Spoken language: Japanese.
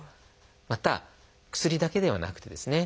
また薬だけではなくてですね